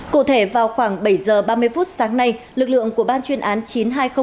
cụ thể vào khoảng bảy giờ ba mươi phút sáng nay lực lượng của ban chuyên án chín trăm hai mươi g đã đưa ra một bản thân